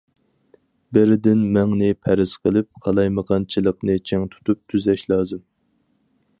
بىردىن مىڭنى پەرەز قىلىپ، قالايمىقانچىلىقنى چىڭ تۇتۇپ تۈزەش لازىم.